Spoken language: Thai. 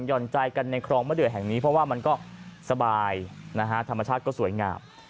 ่อนใจกันในคลองมะเดือแห่งนี้เพราะว่ามันก็สบายนะฮะธรรมชาติก็สวยงาม